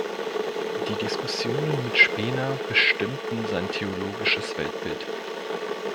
Die Diskussionen mit Spener bestimmten sein theologisches Weltbild.